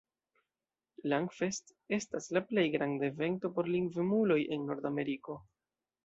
Langfest estas la plej granda evento por lingvemuloj en Nordameriko.